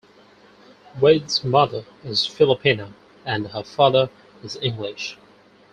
Wade's mother is Filipino and her father is English.